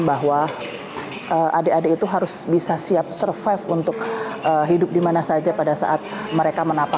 bahwa adik adik itu harus bisa siap survive untuk hidup dimana saja pada saat mereka menapak